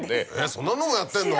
そんなのもやってんの？